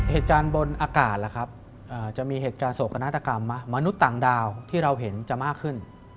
เหตุการณ์บนอากาศล่ะครับจะมีเหตุการณ์โศกนาฏกรรมมนุษย์ต่างดาวที่เราเห็นจะมากขึ้น